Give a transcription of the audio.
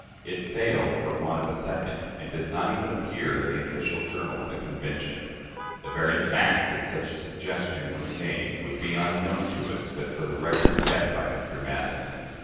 It failed for want of a second, and does not even appear in the official journal of the Convention. The very fact that such a suggestion was made would be unknown to us but for the record kept by Mr. Madison.